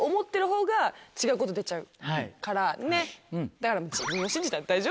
だから。